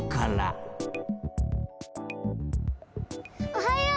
おはよう！